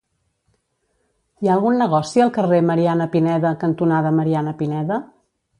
Hi ha algun negoci al carrer Mariana Pineda cantonada Mariana Pineda?